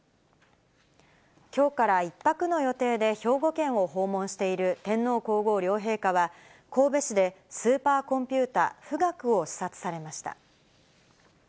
きょうから１泊の予定で兵庫県を訪問している天皇皇后両陛下は、神戸市でスーパーコンピュータ富岳を視察されました。